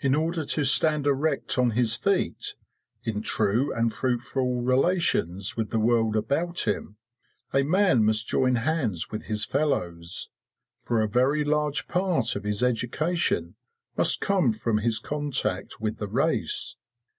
In order to stand erect on his feet, in true and fruitful relations with the world about him, a man must join hands with his fellows. For a very large part of his education must come from his contact with the race.